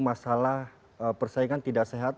masalah persaingan tidak sehat